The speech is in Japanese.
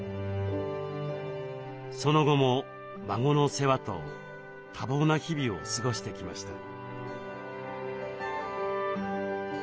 その後も孫の世話と多忙な日々を過ごしてきました。